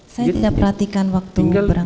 saya tidak perhatikan waktu kurang